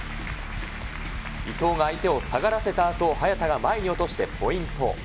伊藤が相手を下がらせたあと、早田が前に落として、ポイント。